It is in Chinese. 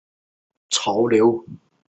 殳部通常从右方为部字。